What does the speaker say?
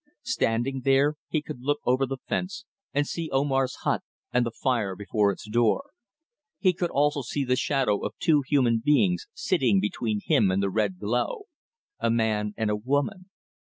Standing there, he could look over the fence and see Omar's hut and the fire before its door. He could also see the shadow of two human beings sitting between him and the red glow. A man and a woman.